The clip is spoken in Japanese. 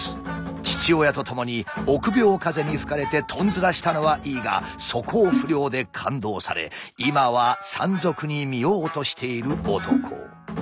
父親と共に臆病風に吹かれてトンズラしたのはいいが素行不良で勘当され今は山賊に身を落としている男。